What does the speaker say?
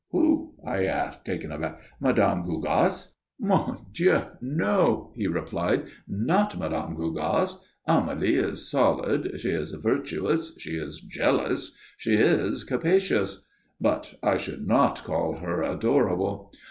"Who?" I asked, taken aback. "Mme. Gougasse?" "Mon Dieu, no!" he replied. "Not Mme. Gougasse. Amélie is solid, she is virtuous, she is jealous, she is capacious; but I should not call her adorable.